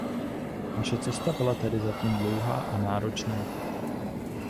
Naše cesta byla tedy zatím dlouhá a náročná.